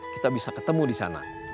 kita bisa ketemu di sana